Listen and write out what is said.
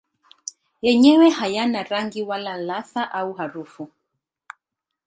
Yenyewe hayana rangi wala ladha au harufu.